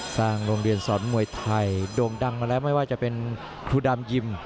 โรงเรียนสอนมวยไทยโด่งดังมาแล้วไม่ว่าจะเป็นภูดำยิม